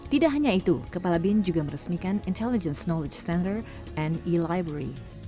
tidak hanya itu kepala bin juga meresmikan intelligence knowledge center and e libray